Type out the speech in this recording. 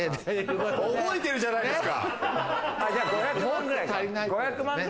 覚えてるじゃないですか。